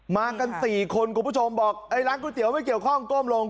มากัน๔คนคุณผู้ชมบอกไอ้ร้านก๋วยเตี๋ยวไม่เกี่ยวข้องก้มลง